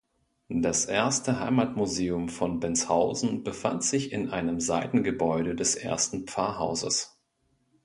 Das erste Heimatmuseum von Benshausen befand sich in einem Seitengebäude des ersten Pfarrhauses.